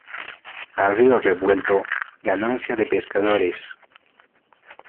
A río revuelto, ganancia de pescadores.